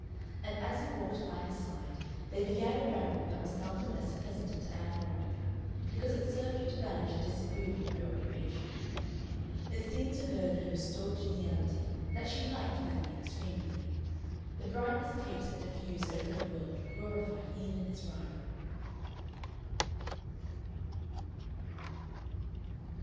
And as he walked by her side they began a wrangle that was none the less pleasant to Ann Veronica because it served to banish a disagreeable preoccupation. It seemed to her in her restored geniality that she liked Manning extremely. The brightness Capes had diffused over the world glorified even his rival.